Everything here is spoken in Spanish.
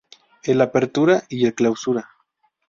El Apertura y el Clausura.